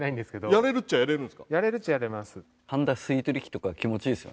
やれるっちゃやれます。